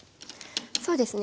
そうですね。